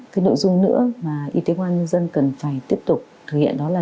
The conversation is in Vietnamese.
cái nội dung nữa mà y tế công an nhân dân cần phải tiếp tục thực hiện đó là